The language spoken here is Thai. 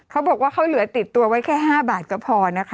เขาบอกว่าเหลือติดตัวไปแค่๕บาทก็พอ